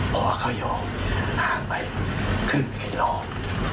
พ่อเขาโยมห่างไปครึ่งไอลอง